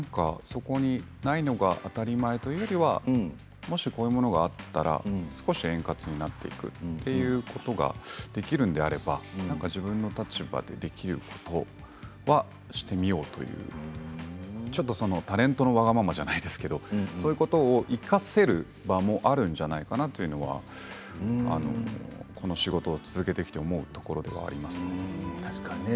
そこにないのが当たり前というよりはもし、こういうものがあったら少し円滑になっていくということができるんであればなんか自分の立場でできることはしてみようというちょっとタレントのわがままじゃないですけど、そういうことを生かせる場もあるんじゃないかなというのはこの仕事を続けてきて思うところではありますね。